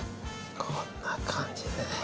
こんな感じで。